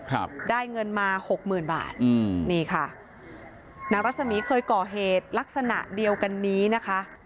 ครับได้เงินมาหกหมื่นบาทอืมนี่ค่ะนางรัศมีร์เคยก่อเหตุลักษณะเดียวกันนี้นะคะ